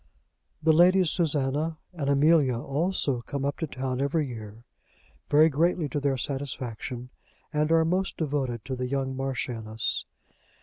The Ladies Susanna and Amelia also come up to town every year, very greatly to their satisfaction, and are most devoted to the young Marchioness.